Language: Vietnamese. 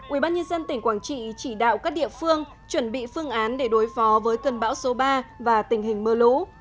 ubnd tỉnh quảng trị chỉ đạo các địa phương chuẩn bị phương án để đối phó với cơn bão số ba và tình hình mưa lũ